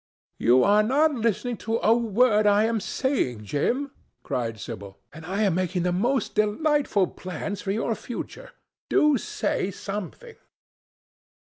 "You are not listening to a word I am saying, Jim," cried Sibyl, "and I am making the most delightful plans for your future. Do say something."